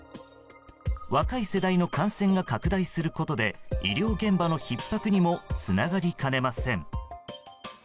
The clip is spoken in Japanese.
若い世代の感染が拡大することで医療現場のひっ迫にもつながりかねません。